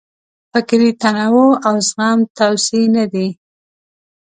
فکري تنوع او زغم توصیې نه دي.